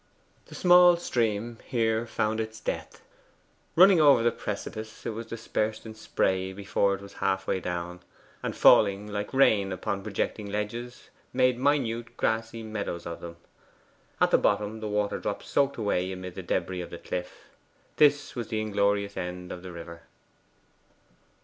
The small stream here found its death. Running over the precipice it was dispersed in spray before it was half way down, and falling like rain upon projecting ledges, made minute grassy meadows of them. At the bottom the water drops soaked away amid the debris of the cliff. This was the inglorious end of the river.